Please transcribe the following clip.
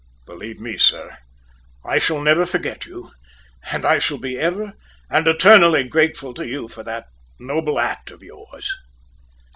Believe me, sir, I shall never forget you, and I shall be ever and eternally grateful to you for that noble act of yours!"